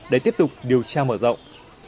để tiếp tục điều tra mở rộng